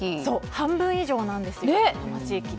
半分以上なんですよ。